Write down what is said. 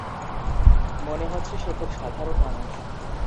মনে হচ্ছে সে খুব সাধারণ মানুষ।